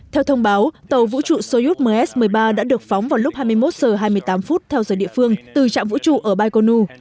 theo thông báo tàu vũ trụ soyut ms một mươi ba đã được phóng vào lúc hai mươi một h hai mươi tám phút theo giờ địa phương từ trạm vũ trụ ở baikonu